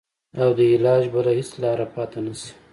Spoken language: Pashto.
او د علاج بله هېڅ لاره پاته نه شي.